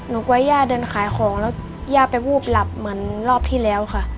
กลัวย่าเดินขายของแล้วย่าไปวูบหลับเหมือนรอบที่แล้วค่ะ